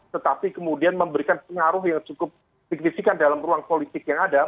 tetapi kemudian memberikan pengaruh yang cukup signifikan dalam ruang politik yang ada